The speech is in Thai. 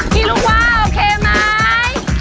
พี่ลุกว่าโอเคมั้ย